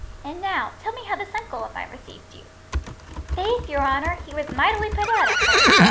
"And now, tell me how this uncle of mine received you." "Faith, your honour, he was mightily put out, at first.